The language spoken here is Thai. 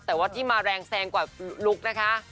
แต่ว่าที่มาแรงแซงกว่าลุคนะคะ